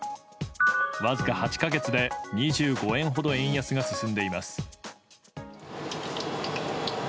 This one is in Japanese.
わずか８か月で２５円ほど円安が進んでいます。